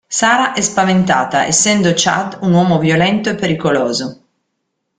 Sara è spaventata, essendo Chad un uomo violento e pericoloso.